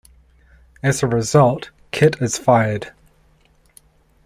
As a result, Kit is fired.